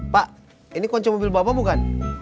pak ini kunci mobil bapak bukan